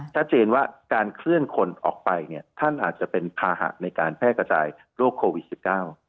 ชัดเจนว่าการเคลื่อนคนออกไปเนี่ยท่านอาจจะเป็นภาหะในการแพร่กระจายโรคโควิดสิบเก้า